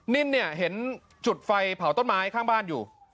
นิ่นเนี่ยเห็นจุดไฟเผาต้นไม้ข้างบ้านอยู่